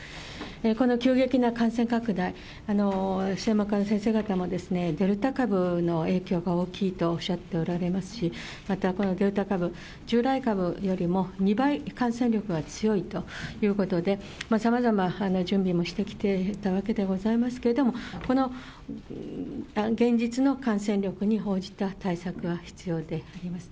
この急激な感染拡大、専門家の先生方も、デルタ株の影響が大きいとおっしゃっておられますし、またこのデルタ株、従来株よりも２倍感染力が強いということで、さまざま、準備もしてきていたわけでございますけれども、この現実の感染力に応じた対策が必要であります。